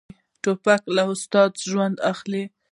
توپک له استاد ژوند اخلي.